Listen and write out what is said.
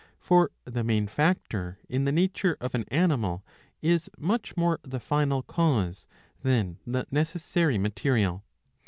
For the main factor in the nature of an animal is much more the final cause than the necessary material.